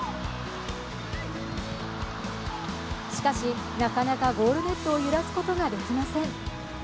しかし、なかなかゴールネットを揺らすことができません。